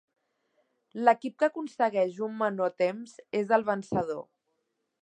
L'equip que aconsegueix un menor temps és el vencedor.